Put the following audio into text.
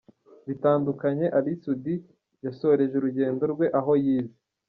bitandukanye Ally Soudy yasoreje urugendo rwe aho yize